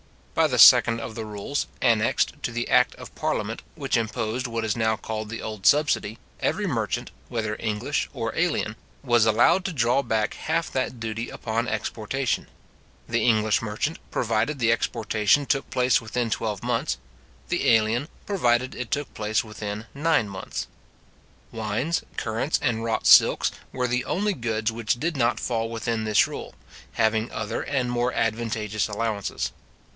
By the second of the rules, annexed to the act of parliament, which imposed what is now called the old subsidy, every merchant, whether English or alien. was allowed to draw back half that duty upon exportation; the English merchant, provided the exportation took place within twelve months; the alien, provided it took place within nine months. Wines, currants, and wrought silks, were the only goods which did not fall within this rule, having other and more advantageous allowances.